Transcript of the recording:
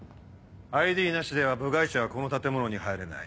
ＩＤなしでは部外者はこの建物に入れない。